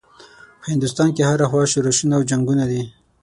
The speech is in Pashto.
په هندوستان کې هره خوا شورشونه او جنګونه دي.